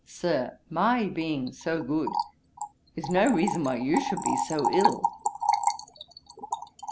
'Sir, my being so good is no reason why you should be so ill.'